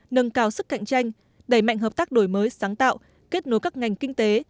nâng cao sức cạnh tranh đẩy mạnh hợp tác đổi mới sáng tạo kết nối các ngành kinh tế